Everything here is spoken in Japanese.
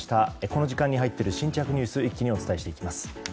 この時間に入っている新着ニュース一気にお伝えしていきます。